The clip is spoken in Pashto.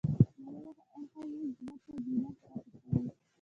له یوه اړخه یې زړه ته زینه ښکته شوې.